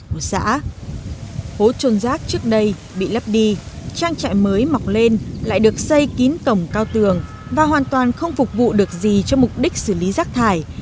nên người dân thôn gạo giờ đây bị lấp đi trang trại mới mọc lên lại được xây kín cổng cao tường và hoàn toàn không phục vụ được gì cho mục đích xử lý rác thải